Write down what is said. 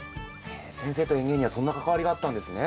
先生と園芸にはそんな関わりがあったんですね。